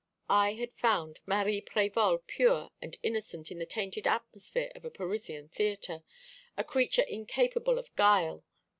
I had found Marie Prévol pure and innocent in the tainted atmosphere of a Parisian theatre, a creature incapable of guile.